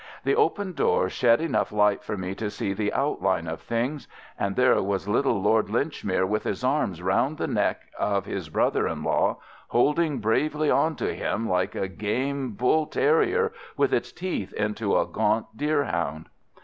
The open door shed enough light for me to see the outline of things, and there was little Lord Linchmere with his arms round the neck of his brother in law, holding bravely on to him like a game bull terrier with its teeth into a gaunt deerhound.